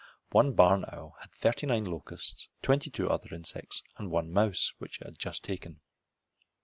One barn owl had thirty nine locusts, twenty two other insects, and one mouse which it had just taken.